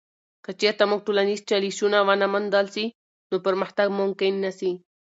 که چیرته موږ ټولنیز چالشونه ونه موندل سي، نو پرمختګ ممکن نه سي.